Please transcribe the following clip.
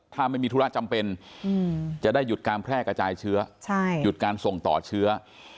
ถ้าไม่มีธุระจำเป็นจะได้หยุดการแพร่กระจายเชื้อหยุดการส่งต่อเชื้อ